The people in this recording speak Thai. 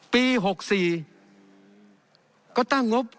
ปี๖๔ก็ตั้งงบ